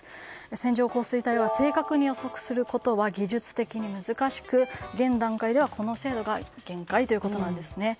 線状降水帯は正確に予測することは技術的に難しく現段階ではこの精度が限界ということなんです。